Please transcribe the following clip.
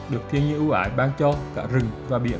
được thiên nhiên ưu ái ban cho cả rừng và biển